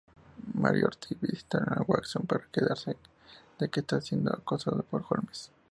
Moriarty visita a Watson para quejarse de que está siendo acosado por Holmes.